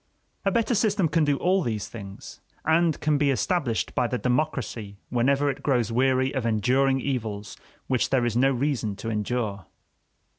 A better system can do all these things, and can be established by the democracy whenever it grows weary of enduring evils which there is no reason to endure.